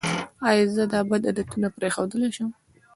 ایا زه دا بد عادتونه پریښودلی شم؟